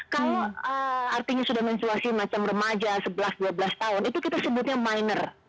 kalau artinya sudah mensuasi macam remaja sebelas dua belas tahun itu kita sebutnya miner